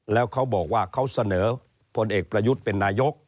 แล้วเขาบอกว่าเขาเสนอพลเอกประยุทธ์เป็นนายก